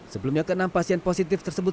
sebelumnya ke enam pasien positif tersebut